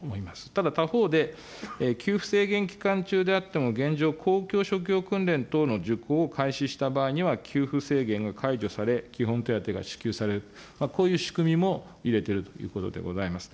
ただ他方で、給付制限期間中であっても、現状、公共職業訓練等の受講を開始した場合には、給付制限が解除され、基本手当が支給される、こういう仕組みも入れてるということでございます。